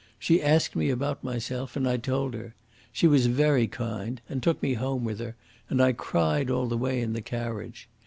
She asked me about myself, and I told her. She was very kind, and took me home with her, and I cried all the way in the carriage.